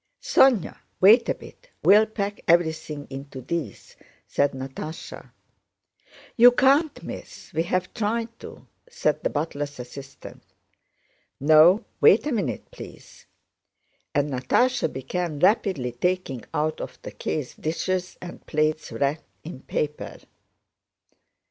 "Sónya, wait a bit—we'll pack everything into these," said Natásha. "You can't, Miss, we have tried to," said the butler's assistant. "No, wait a minute, please." And Natásha began rapidly taking out of the case dishes and plates wrapped in paper.